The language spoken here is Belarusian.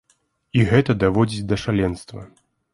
І гэта даводзіць да шаленства.